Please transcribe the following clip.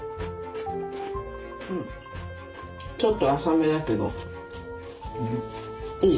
ちょっと浅めだけどいい。